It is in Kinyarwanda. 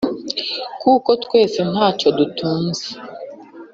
Kuko twese ntacyo dutunze